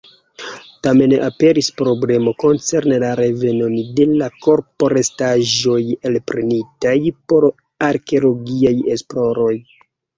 Tamen aperis problemo koncerne la revenon de la korporestaĵoj elprenitaj por arkeologiaj esploroj.